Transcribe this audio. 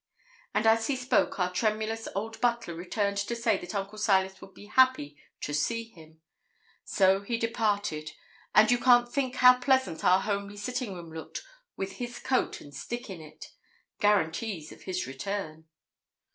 And as he spoke our tremulous old butler returned to say that Uncle Silas would be happy to see him. So he departed; and you can't think how pleasant our homely sitting room looked with his coat and stick in it guarantees of his return.